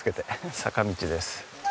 坂道です。